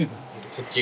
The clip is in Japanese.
こっち。